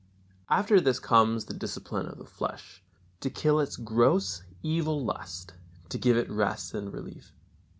After this comes the discipline of the flesh, to kill its gross, evil lust, to give it rest and relief.